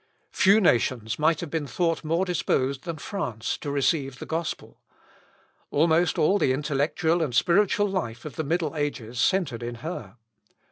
Few nations might have been thought more disposed than France to receive the gospel. Almost all the intellectual and spiritual life of the middle ages centred in her.